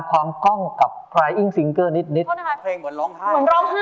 ช่วยฝังดินหรือกว่า